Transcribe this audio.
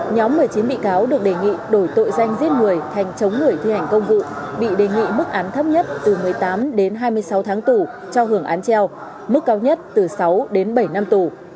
nhóm một mươi chín bị cáo được đề nghị đổi tội danh giết người thành chống người thi hành công vụ bị đề nghị mức án thấp nhất từ một mươi tám đến hai mươi sáu tháng tù cho hưởng án treo mức cao nhất từ sáu đến bảy năm tù